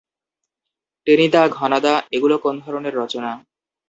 টেনিদা, ঘনাদা - এগুলো কোন ধরণের রচনা?